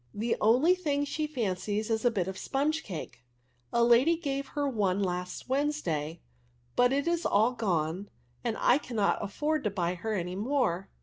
The only thing she fancies is a bit of sponge cake. A lady gave her one last Wednesday, but it is all gone, and I cannot afford to buy her any more.''